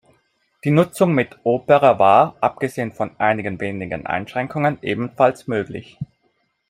Die Nutzung mit Opera war, abgesehen von einigen wenigen Einschränkungen, ebenfalls möglich.